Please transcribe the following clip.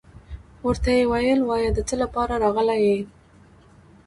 ورته يې ويل وايه دڅه لپاره راغلى يي.